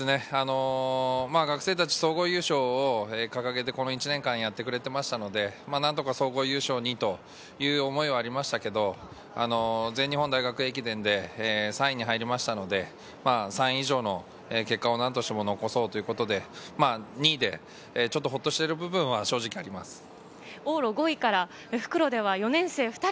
学生たちは総合優勝を掲げて、この１年やってくれていたので、なんとか総合優勝にという思いはありましたけれど、全日本大学駅伝で３位に入りましたので３位以上の結果をなんとしても残そうということで、２位でちょっとホッとしている部分は正直あります。